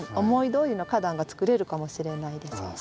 思いどおりの花壇がつくれるかもしれないです。